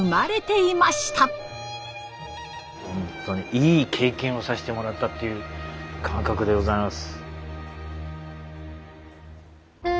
ホントにいい経験をさせてもらったっていう感覚でございます。